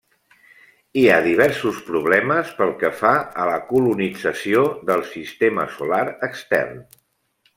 Hi ha diversos problemes pel que fa a la colonització del Sistema Solar Extern.